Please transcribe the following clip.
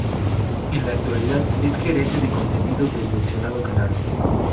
En la actualidad es gerente de contenidos del mencionado canal